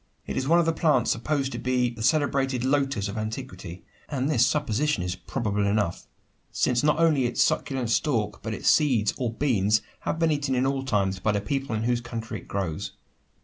It is one of the plants supposed to be the celebrated "lotus" of antiquity; and this supposition is probable enough: since not only its succulent stalk, but its seeds or "beans," have been eaten in all times by the people in whose country it grows.